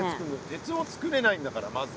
鉄をつくれないんだからまず。